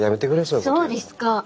そうですか。